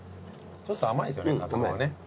ちょっと甘いんですよね